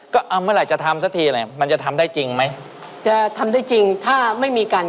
ก็เอาเมื่อไหร่จะทำซะทีเลยมันจะทำได้จริงไหม